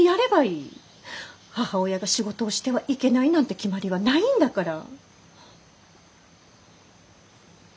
母親が仕事をしてはいけないなんて決まりはないんだから。